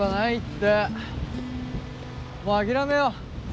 もう諦めよう。